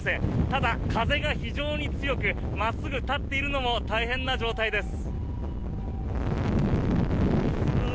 ただ、風が非常に強く真っすぐ立っているのも大変な状態です。